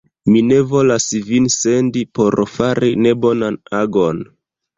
Mi ne volas vin sendi por fari nebonan agon!